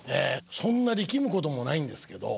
そんな力むこともないんですけど。